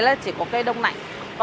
rác bò đó rất là nhiều